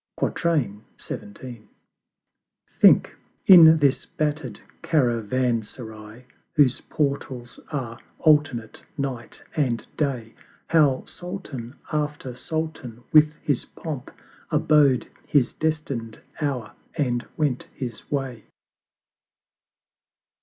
XVII. Think, in this batter'd Caravanserai Whose Portals are alternate Night and Day, How Sultan after Sultan with his Pomp Abode his destined Hour, and went his way.